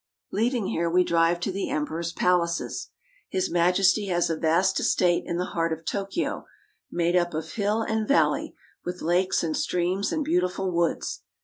Leaving here, we drive to the Emperor's Palaces. His Majesty has a vast estate in the heart of Tokyo, made up of hill and valley, with lakes, and streams, and beautiful woods.